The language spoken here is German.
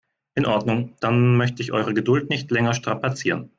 In Ordnung, dann möchte ich eure Geduld nicht länger strapazieren.